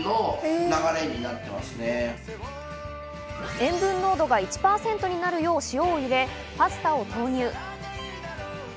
塩分濃度が１％になるよう塩を入れ、パスタを投入。